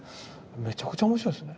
めちゃくちゃ面白いですね。